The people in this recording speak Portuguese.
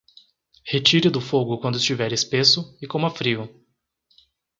Retire do fogo quando estiver espesso e coma frio.